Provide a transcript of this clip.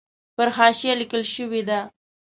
پر حاشیه لیکل شوې ده.